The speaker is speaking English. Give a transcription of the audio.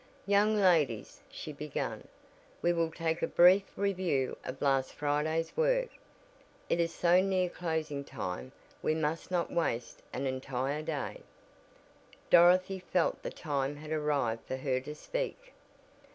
"Young ladies," she began, "we will take a brief review of last Friday's work. It is so near closing time we must not waste an entire day." Dorothy felt the time had arrived for her to speak.